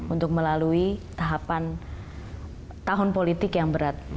untuk melalui tahapan tahun politik yang berat